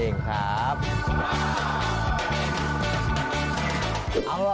เอาแล้วนะครับ